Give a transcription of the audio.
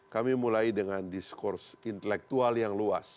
kami mulai dengan diskurs intelektual yang luas